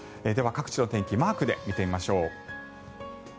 各地の天気マークで見てみましょう。